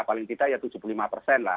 paling tidak ya tujuh puluh lima persen lah